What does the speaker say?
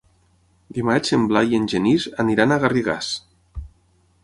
Dimarts en Blai i en Genís aniran a Garrigàs.